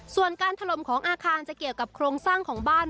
ส่วนการถล่มของอาคารจะเกี่ยวกับโครงสร้างของบ้าน